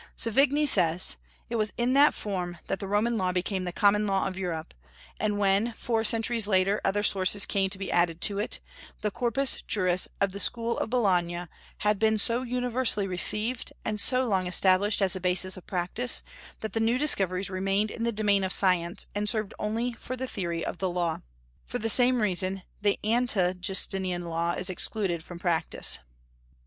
Savigny says: "It was in that form that the Roman law became the common law of Europe; and when, four centuries later, other sources came to be added to it, the Corpus Juris of the school of Bologna had been so universally received, and so long established as a basis of practice, that the new discoveries remained in the domain of science, and served only for the theory of the law. For the same reason, the Ante Justinian law is excluded from practice."